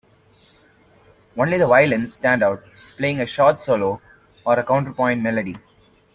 Only the violins stand out, playing a short solo or a counterpoint melody.